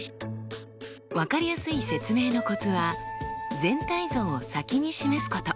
分かりやすい説明のコツは全体像を先に示すこと。